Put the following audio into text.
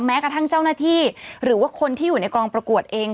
แม้กระทั่งเจ้าหน้าที่หรือว่าคนที่อยู่ในกองประกวดเอง